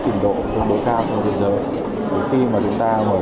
khi mà chúng ta mở rộng chúng ta tham gia hiệp định thương mại tự do việt nam hàn quốc